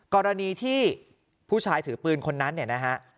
กรณีที่ผู้ชายถือปืนคนนั้นเนี่ยนะฮะ